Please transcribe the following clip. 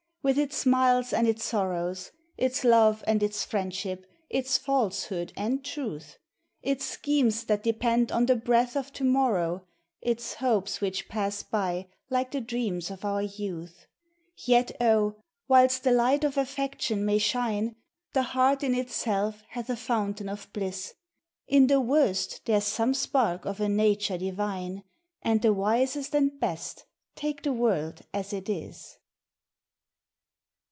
— with its smiles and its sorrows. Its love and its friendship, — its falsehood and truth, Its schemes that depend on the breath of to morrow, Its hopes which pass by like the dreams of our youth : Yet, oh! whilst the light of affect ion may shine, The heart in itself hath a fountain of bliss; In the worst there 's some spark of a nature di vine, And the wisest and best take the world as it is.